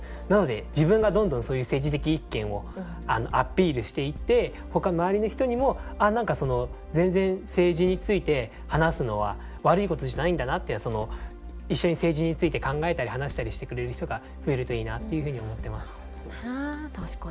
なので自分がどんどん政治的意見をアピールしていってほかの周りの人にも何かその全然政治について話すのは悪いことじゃないんだなっていうのは一緒に政治について考えたり話したりしてくれる人が増えるといいなっていうふうに思ってます。